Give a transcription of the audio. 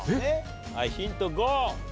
ヒント５。